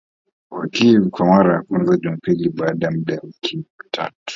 wa Kyiv kwa mara ya kwanza Jumapili baada ya muda wa wiki tatu